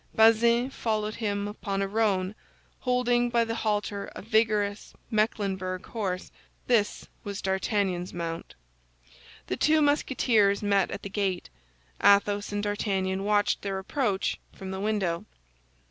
Bazin followed him upon a roan, holding by the halter a vigorous Mecklenburg horse; this was D'Artagnan's mount. The two Musketeers met at the gate. Athos and D'Artagnan watched their approach from the window.